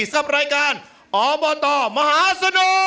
รายการอบเตอร์มหาสนุก